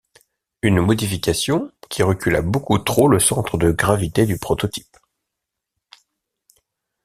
Une modification qui recula beaucoup trop le centre de gravité du prototype.